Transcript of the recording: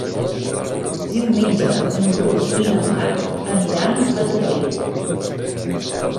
Diumenge en Bru i na Mar aniran a Torrent.